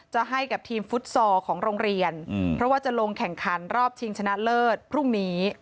จะให้กับทีมฟุตซอลของโรงเรียนเพราะว่าจะลงแข่งขันรอบชิงชนะเลิศพรุ่งนี้